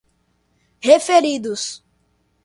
referidos